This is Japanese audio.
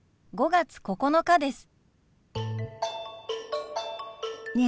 ５月９日です。